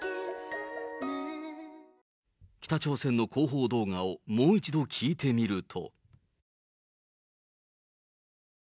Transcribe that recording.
北朝鮮の広報動画をもう一度聴いてみると。